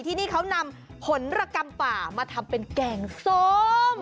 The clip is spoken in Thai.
ที่นี่เขานำผลระกำป่ามาทำเป็นแกงส้ม